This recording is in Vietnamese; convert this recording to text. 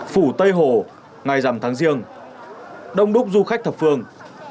phủ tây hồ ngày giảm thắng riêng đông đúc du khách thập phương